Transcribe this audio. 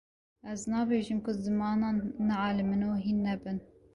ez nabêjim ku zimanan nealimin û hîn nebin